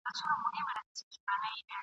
پل به له نسیمه سره اخلو څوک مو څه ویني؟ ..